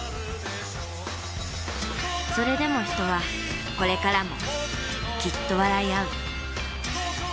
それでも人はこれからもきっと笑いあう。